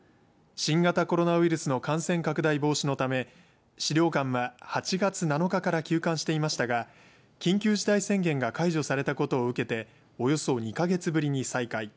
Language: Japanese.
新型コロナウイルスの感染拡大防止のため資料館は８月７日から休館していましたが緊急事態宣言が解除されたことを受けておよそ２か月ぶりに再開。